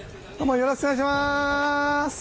よろしくお願いします！